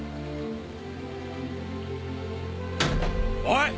おい！